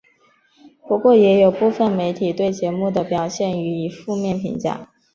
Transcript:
不过也有部分媒体对节目的表现予以负面评价。